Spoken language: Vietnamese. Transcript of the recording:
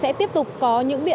sẽ tiếp tục có những bài tập